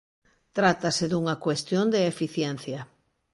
Trátase dunha cuestión de eficiencia.